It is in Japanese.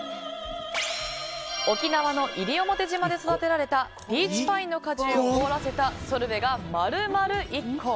沖縄の西表島で育てられたピーチパインの果汁を凍らせたソルベが丸々１個。